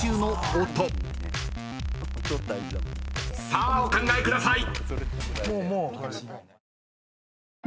［さあお考えください］